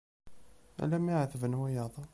Ala mi εetben wiyaḍ.